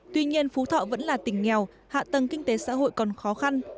tuy nhiên phú thọ vẫn là tỉnh nghèo hạ tầng kinh tế xã hội còn khó khăn